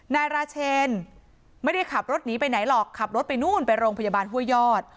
นายราเชนไม่ได้ขับรถหนีไปไหนหรอกขับรถไปนู่นไปโรงพยาบาลห้วยยอด